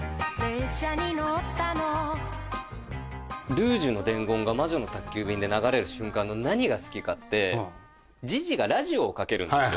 ルージュの伝言が魔女の宅急便で流れる瞬間の何が好きかって、ジジがラジオをかけるんですよ。